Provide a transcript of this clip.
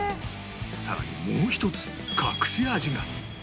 さらにもう一つ隠し味が